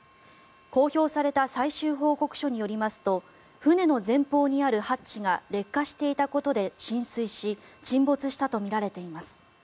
公表された最終報告書によりますと船の前方にあるハッチが劣化していたことで浸水し沈没したとみられています。